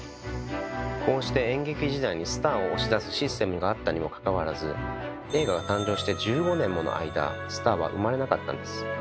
こうして演劇時代にスターを押し出すシステムがあったにもかかわらず映画が誕生して１５年もの間スターは生まれなかったんです。